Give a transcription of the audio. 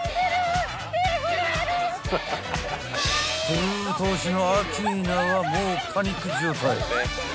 ［プルート推しのアッキーナはもうパニック状態］